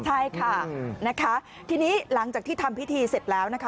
ใช่ค่ะนะคะทีนี้หลังจากที่ทำพิธีเสร็จแล้วนะคะ